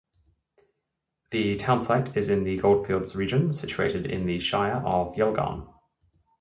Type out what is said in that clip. The townsite is in the goldfields region, situated in the Shire of Yilgarn.